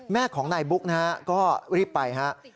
แม่ของนายบุ๊กนะครับก็รีบไปครับ